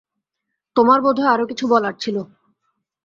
তোমার বোধহয় আরো কিছু বলার ছিল।